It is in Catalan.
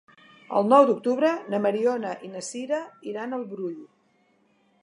El nou d'octubre na Mariona i na Sira iran al Brull.